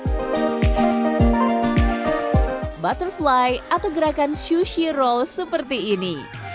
misalnya cat and cow butterfly atau gerakan sushi roll seperti ini